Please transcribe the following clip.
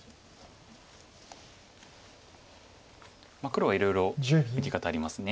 黒はいろいろ受け方あります。